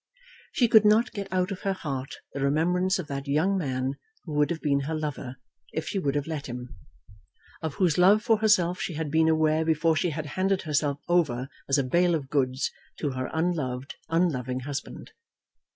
She could not get out of her heart the remembrance of that young man who would have been her lover, if she would have let him, of whose love for herself she had been aware before she had handed herself over as a bale of goods to her unloved, unloving husband.